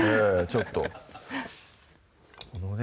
ちょっとこのね